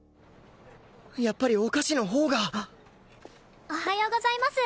やっぱりお菓子のほうがおはようございます。